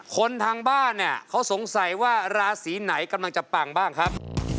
คนทางบ้านเนี่ยเขาสงสัยว่าราศีไหนกำลังจะปังบ้างครับ